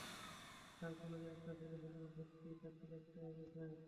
তার কলেজের একটা ছেলে সেখানে ভর্তি তাকে দেখতে গেছে।